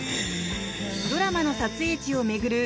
ドラマの撮影地を巡る